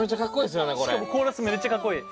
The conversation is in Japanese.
しかもコーラスめっちゃかっこいい。